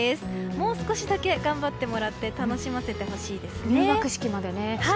もう少しだけ頑張ってもらって楽しませてほしいですね。